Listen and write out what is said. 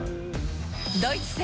ドイツ戦。